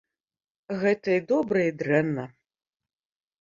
Гэта і добра і дрэнна.